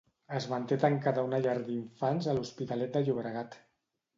Es manté tancada una llar d'infants a l'Hospitalet de Llobregat.